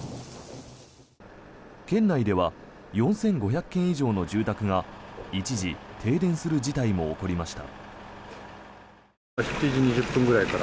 県内では４５００軒以上の住宅が一時、停電する事態も起こりました。